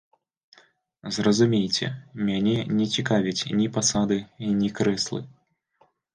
Зразумейце, мяне не цікавяць ні пасады, ні крэслы.